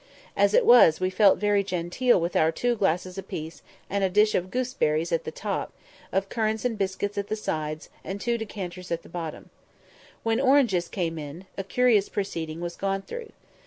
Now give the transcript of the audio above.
As it was, we felt very genteel with our two glasses apiece, and a dish of gooseberries at the top, of currants and biscuits at the sides, and two decanters at the bottom. When oranges came in, a curious proceeding was gone through.